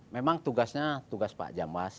memang tugasnya tugas pak jamwas